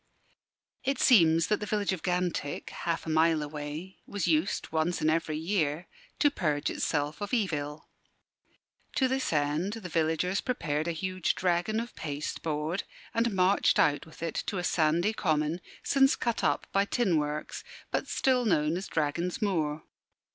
It seems that the village of Gantick, half a mile away, was used once in every year to purge itself of evil. To this end the villagers prepared a huge dragon of pasteboard and marched out with it to a sandy common, since cut up by tin works, but still known as Dragon's Moor.